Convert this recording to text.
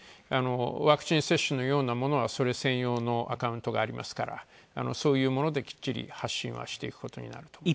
ワクチン接種のようなものはそれ専用のアカウントがありますからそういうもので、きっちり発信はしていくことになると思います。